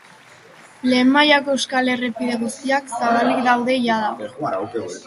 Lehen mailako euskal errepide guztiak zabalik daude jada.